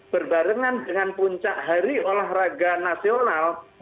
berbarengan dengan puncak hari olahraga nasional